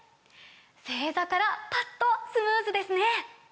正座からパッとスムーズですね！